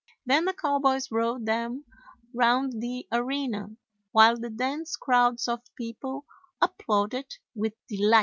Then the cowboys rode them round the arena, while the dense crowds of people applauded with delight.